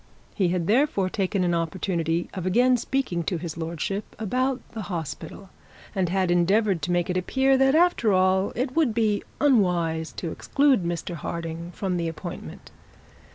He had therefore taken the opportunity of again speaking to his lordship about the hospital, and had endeavoured to make it appear that after all it would be unwise to exclude Mr Harding from the appointment.